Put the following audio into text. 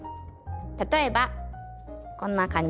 例えばこんな感じ。